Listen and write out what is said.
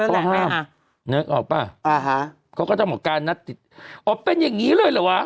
เขาห้ามนึกออกป่ะอ่าฮะเขาก็ต้องบอกการนัดติดอ๋อเป็นอย่างงี้เลยเหรอวะ